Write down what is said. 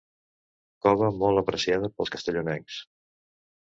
Cova molt apreciada pels castellonencs.